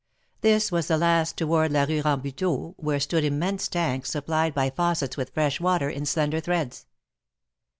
This was the last toward la Hue Rambuteau, where stood immense tanks, supplied by faucets with fresh water, in slender threads.